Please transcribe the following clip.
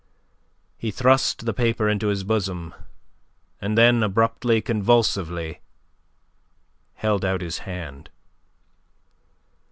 He thrust the paper into his bosom, and then abruptly, convulsively, held out his hand.